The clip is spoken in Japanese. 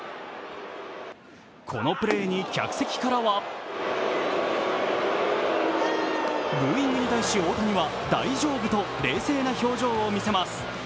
このプレーに客席からはブーイングに対し大谷は大丈夫と冷静な表情を見せます。